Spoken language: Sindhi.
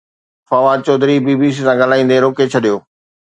Fawad Chaudhry B B C سان ڳالهائيندي روڪي ڇڏيو